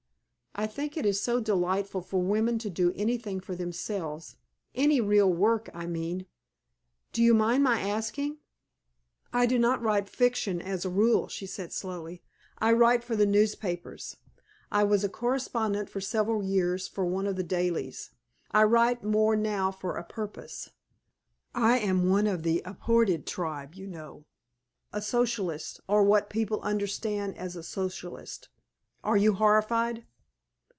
I think it is so delightful for women to do anything for themselves any real work, I mean. Do you mind my asking?" "I do not write fiction as a rule," she said, slowly. "I write for the newspapers. I was a correspondent for several years for one of the dailies. I write more now for a purpose. I am one of the 'abhorred tribe,' you know a Socialist, or what people understand as a Socialist. Are you horrified?"